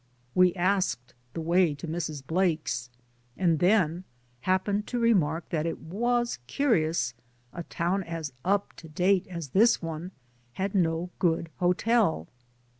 '' We asked the way to Mrs. Blake's and then happened to remark that it was curious a town as up to date as this one had no good hotel.